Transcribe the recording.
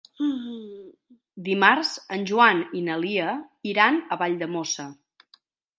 Dimarts en Joan i na Lia iran a Valldemossa.